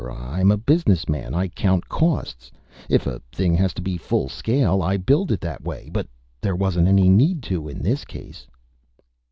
I'm a businessman; I count costs. If a thing has to be full scale, I build it that way. But there wasn't any need to in this case."